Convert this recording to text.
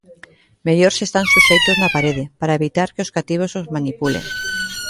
Mellor se están suxeitos na parede, para evitar que os cativos os manipulen.